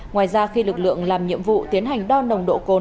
ngoài ra khi lực lượng làm nhiệm vụ tiến hành đo nồng độ cồn